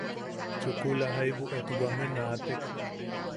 Chukula jaibu etwame naatek.